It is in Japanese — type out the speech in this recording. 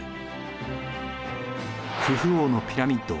クフ王のピラミッド